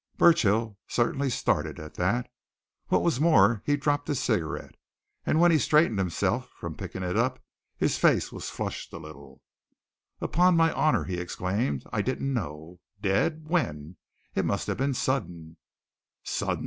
Burchill certainly started at that. What was more he dropped his cigarette, and when he straightened himself from picking it up his face was flushed a little. "Upon my honour!" he exclaimed. "I didn't know. Dead! When? It must have been sudden." "Sudden!"